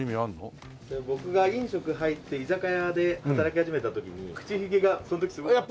僕が飲食入って居酒屋で働き始めた時に口ひげがその時すごかったんで。